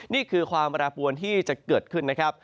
นี่คือความระบวนที่จะเกิดขึ้น